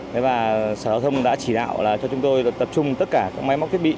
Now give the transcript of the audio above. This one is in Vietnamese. sở giao thông đã chỉ đạo cho chúng tôi tập trung tất cả các máy móc thiết bị